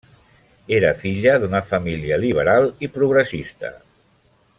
Era filla d'una família liberal i progressista.